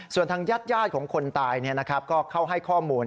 ส่วนทางญาติของคนตายก็เข้าให้ข้อมูล